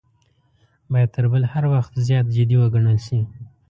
باید تر بل هر وخت زیات جدي وګڼل شي.